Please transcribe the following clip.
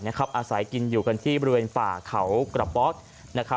อาศัยกินอยู่กันที่บริเวณป่าเขากระป๊อก